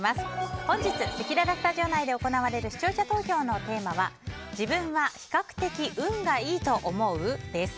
本日せきららスタジオ内で行われる視聴者投票のテーマは自分は比較的運がいいと思う？です。